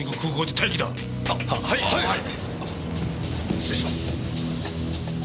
失礼します。